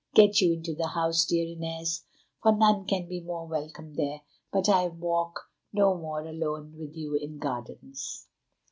Get you into the house, dear Inez, for none can be more welcome there; but I walk no more alone with you in gardens."